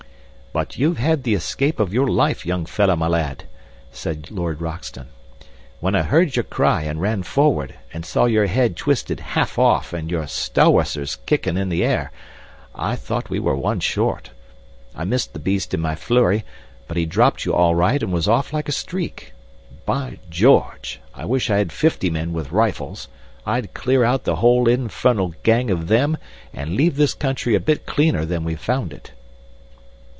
"But you've had the escape of your life, young fellah my lad," said Lord Roxton. "When I heard your cry and ran forward, and saw your head twisted half off and your stohwassers kickin' in the air, I thought we were one short. I missed the beast in my flurry, but he dropped you all right and was off like a streak. By George! I wish I had fifty men with rifles. I'd clear out the whole infernal gang of them and leave this country a bit cleaner than we found it."